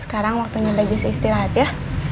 sekarang waktunya bagi istirahat ya